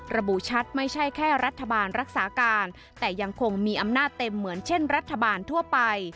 ระบุชัดไม่ใช่แค่รัฐบาลรักษาการแต่ยังคงมีอำนาจเต็มเหมือนเช่นรัฐบาลทั่วไป